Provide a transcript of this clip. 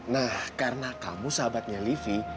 nah karena kamu sahabatnya li fi